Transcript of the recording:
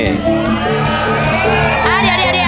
นี่